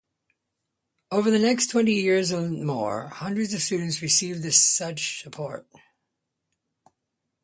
Over the next twenty years and more, hundreds of students received such support.